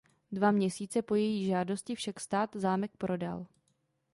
Dva měsíce po její žádosti však stát zámek prodal.